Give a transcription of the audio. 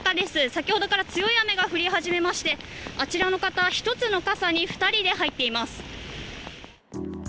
先ほどから強い雨が降り始めましてあちらの方、１つの傘に２人で入っています。